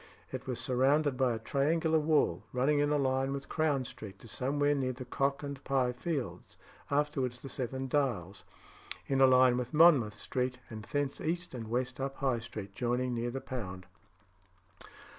It was surrounded by a triangular wall, running in a line with Crown Street to somewhere near the Cock and Pye Fields (afterwards the Seven Dials), in a line with Monmouth Street, and thence east and west up High Street, joining near the Pound.